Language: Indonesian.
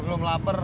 gue belum lapar